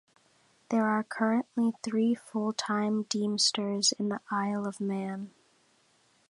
There are currently three full-time Deemsters in the Isle of Man.